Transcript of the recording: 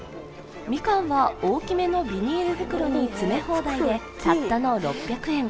みかんは、大きめのビニール袋に詰め放題で、たったの６００円。